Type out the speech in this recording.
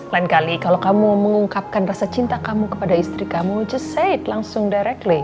lain kali kalau kamu mengungkapkan rasa cinta kamu kepada istri kamu just said langsung directly